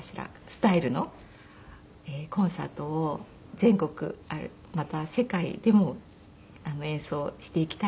スタイルのコンサートを全国また世界でも演奏していきたいなと思いますし。